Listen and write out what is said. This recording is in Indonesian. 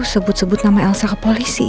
sebut sebut nama elsa ke polisi ya